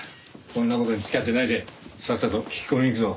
そんな事に付き合ってないでさっさと聞き込み行くぞ。